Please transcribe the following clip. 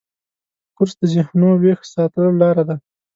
کورس د ذهنو ویښ ساتلو لاره ده.